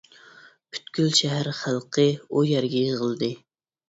پۈتكۈل شەھەر خەلقى ئۇ يەرگە يىغىلدى.